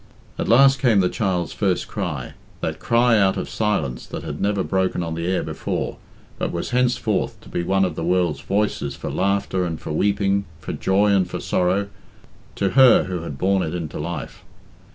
At last came the child's first cry that cry out of silence that had never broken on the air before, but was henceforth to be one of the world's voices for laughter and for weeping, for joy and for sorrow, to her who had borne it into life.